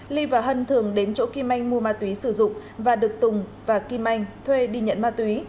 ly và hân thường đến chỗ kim anh mua ma túy sử dụng và được tùng và kim anh thuê đi nhận ma túy